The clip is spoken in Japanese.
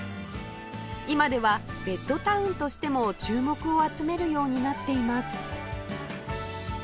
今ではベッドタウンとしても注目を集めるようになっています